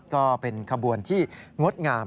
ก็เป็นขบวนที่งดงาม